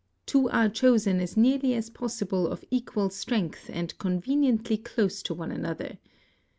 ''T'wo are chosen as nearly as possible of equal strength and conveniently close to one another.